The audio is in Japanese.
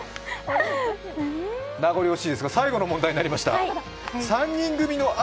名残惜しいですが、最後の問題になりました。